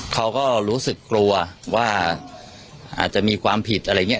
เขาก็รู้สึกกลัวว่าอาจจะมีความผิดอะไรอย่างนี้